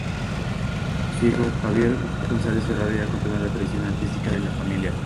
Su hijo, Javier González Ferrari ha continuado la tradición artística de la familia.